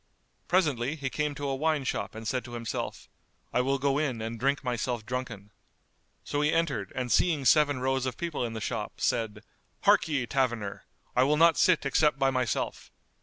Presently, he came to a wine shop and said to himself, "I will go in and drink myself drunken." So he entered and seeing seven rows of people in the shop, said, "Harkye, taverner! I will not sit except by myself."